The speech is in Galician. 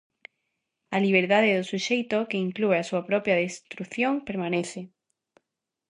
A liberdade do suxeito, que inclúe a súa propia destrución permanece.